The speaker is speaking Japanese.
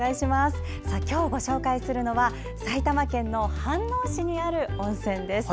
今日ご紹介するのは埼玉県の飯能市にある温泉です。